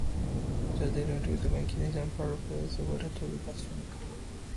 ازادي راډیو د بانکي نظام په اړه په ژوره توګه بحثونه کړي.